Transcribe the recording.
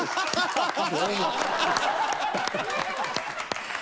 ハハハハ！